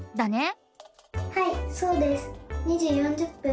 はいそうです。